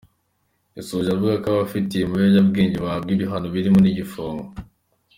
Yasoje avuga ko abafatiwe mu biyobyabwenge bahabwa ibihano birimo n’igifungo.